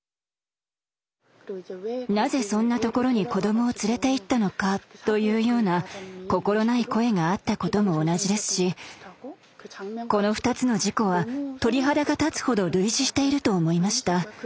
なぜそんなところに子どもを連れていったのかというような心ない声があったことも同じですしこの二つの事故は鳥肌が立つほど類似していると思いました。